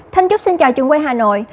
thanh chúc xin chào trường quay hà nội